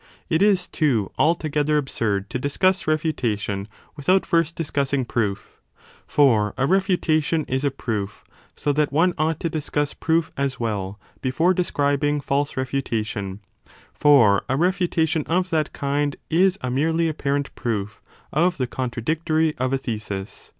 171* It is, too, altogether absurd to discuss Refutation with out first discussing Proof: for a refutation is a proof, so that one ought to discuss proof as well before describing false refutation : for a refutation of that kind is a merely 5 apparent proof of the contradictory of a thesis.